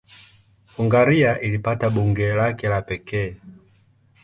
Hungaria ilipata bunge lake la pekee.